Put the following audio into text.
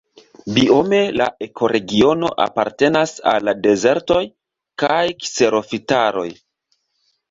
Biome la ekoregiono apartenas al la dezertoj kaj kserofitaroj.